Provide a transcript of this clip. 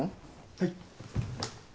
はい。